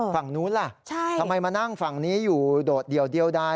ฝั่งนู้นล่ะทำไมมานั่งฝั่งนี้อยู่โดดเดียวได้